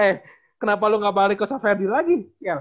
eh kenapa lu gak balik ke safendi lagi